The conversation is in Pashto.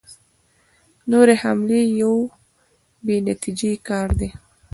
نورې حملې یو بې نتیجې کار دی.